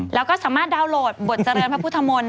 แล้วก็สามารถดาวน์โหลดบทเจริญพระพุทธมนตร์